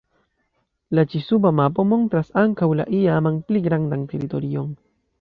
La ĉi-suba mapo montras ankoraŭ la iaman, pli grandan teritorion.